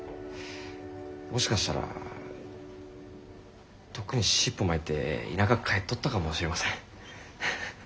もしかしたらとっくに尻尾巻いて田舎帰っとったかもしれません。